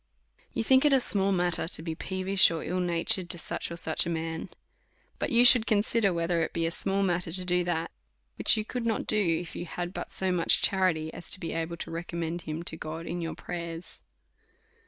You think it a small matter to be peevish or ill natured to such or such a man ; but you should consider, vvhetlier it be a small matter to do that, which you could not do, if you had but so much charity as to be able to recommend him to God in your prayers.